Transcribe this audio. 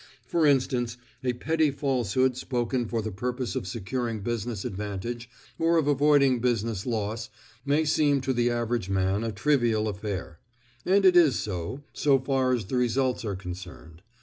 For instance, a petty falsehood spoken for the purpose of securing business advantage or of avoiding business loss may seem to the average man a trivial affair; and it is so, so far as the results are concerned.